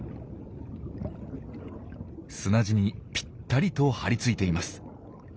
砂地にぴったりと張り付いています。